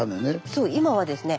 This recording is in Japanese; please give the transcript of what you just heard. そう今はですね